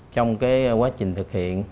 trong quá trình thực hiện